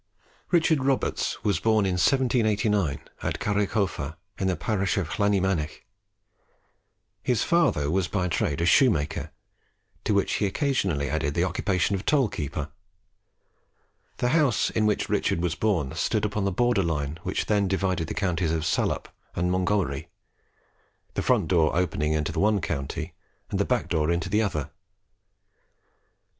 Richard Roberts was born in 1789, at Carreghova in the parish of Llanymynech. His father was by trade a shoemaker, to which he occasionally added the occupation of toll keeper. The house in which Richard was born stood upon the border line which then divided the counties of Salop and Montgomery; the front door opening in the one county, and the back door in the other.